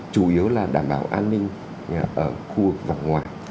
chủ yếu là đảm bảo an ninh ở khu vực vòng ngoài